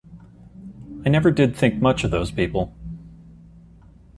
I never did think much of those people.